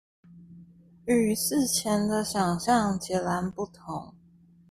與事前的想像截然不同